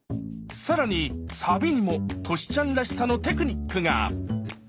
更にサビにもトシちゃんらしさのテクニックが！